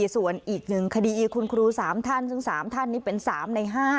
ส่วนอีก๑คดีคุณครู๓ท่านซึ่ง๓ท่านนี่เป็น๓ใน๕